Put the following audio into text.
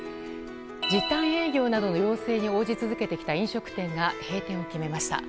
時短営業などの要請に応じ続けてきた飲食店が閉店を決めました。